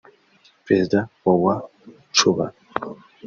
perezida wa wa Cuba